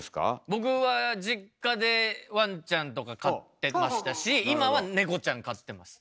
僕は実家でわんちゃんとか飼ってましたし今はねこちゃん飼ってます。